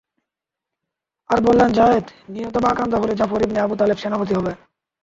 আর বললেন, যায়েদ নিহত বা আক্রান্ত হলে জাফর ইবনে আবু তালেব সেনাপতি হবে।